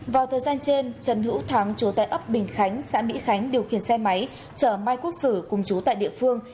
vào thời gian trên trần hữu thắng chú tại ấp bình khánh xã mỹ khánh điều khiển xe máy chở mai quốc sử cùng chú tại địa phương